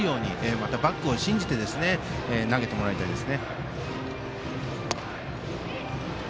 また、バックを信じて投げてもらいたいですね。